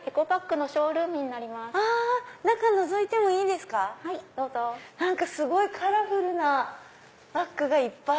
すごいカラフルなバッグがいっぱい！